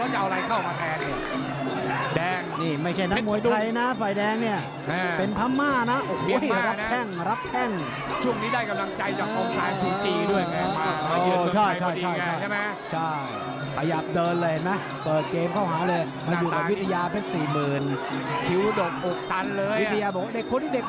แน่นอกแน่นอกแน่นอกแน่นอกแน่นอกแน่นอกแน่นอกแน่นอกแน่นอกแน่นอกแน่นอก